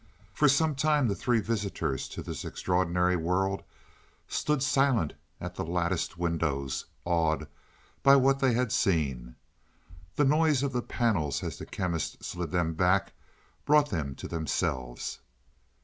For some time the three visitors to this extraordinary world stood silent at the latticed windows, awed by what they had seen. The noise of the panels as the Chemist slid them back brought them to themselves.